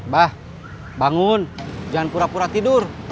bah bangun jangan pura pura tidur